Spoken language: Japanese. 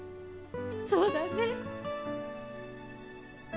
そうだね。